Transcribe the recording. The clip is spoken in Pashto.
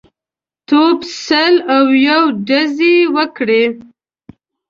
توپ سل او یو ډزې یې وکړې.